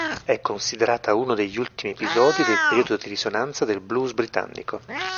È considerata uno degli ultimi episodi del periodo di risonanza del Blues britannico.